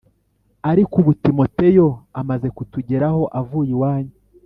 Ariko ubu timoteyo amaze kutugeraho avuye iwanyu